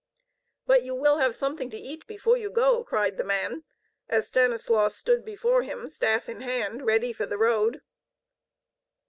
"But you will have something to eat before you go?" cried the man, as Stanislaus stood before him, staff in hand, ready for the road.